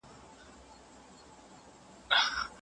موږ بايد د پخوانیو خلکو نظرونه رد کړو.